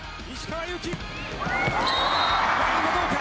ラインはどうか。